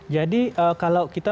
jadi kalau kita